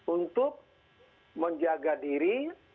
untuk menjaga diri